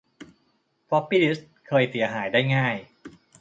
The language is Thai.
ฟอปปี้ดิสเคยเสียหายได้ง่าย